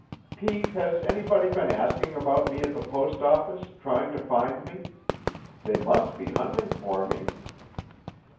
Pete, has anybody been asking about me at the post office, trying to find me? They must be hunting for me."